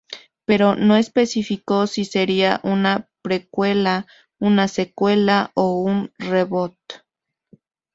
Pero, no especificó si sería una precuela, una secuela o un "reboot".